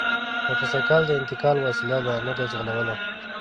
موټرسایکل د انتقال وسیله ده نه د ځغلولو!